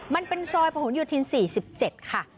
มันเป็นซอยพระโฮลยุทิน๔๗ค่ะ